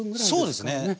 そうですね。